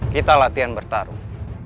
kita latihan bertarung